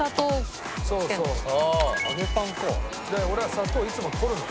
俺は砂糖いつも取るの。